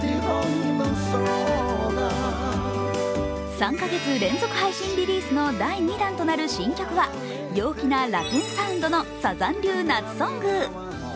３か月連続配信リリース第２弾となる新曲は陽気なラテンサウンドのサザン流夏ソング。